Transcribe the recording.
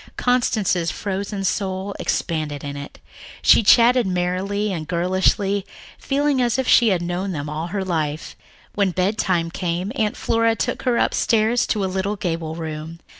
Constance's frozen soul expanded in it. She chatted merrily and girlishly, feeling as if she had known them all her life. When bedtime came, Aunt Flora took her upstairs to a little gable room.